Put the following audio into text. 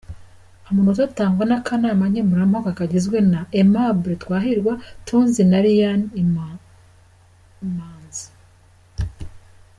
Amanota atangwa n’akanama nkemurampaka kagizwe na Aimable Twahirwa, Tonzi na Lion Imanzi.